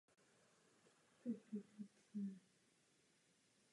Obě však patří do povodí Dunaje.